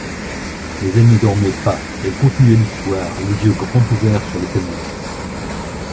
Mais elles ne dormaient pas, elles continuaient l'histoire, les yeux grands ouverts sur les ténèbres.